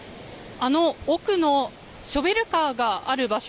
奥のショベルカーがある場所